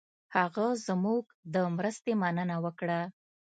هغه زموږ د مرستې مننه وکړه.